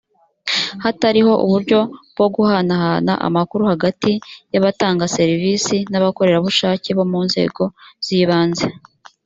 hatariho uburyo bwo guhanahana amakuru hagati y’abatanga serivisi n’ abakorerabushake bo mu nzego z’ibanze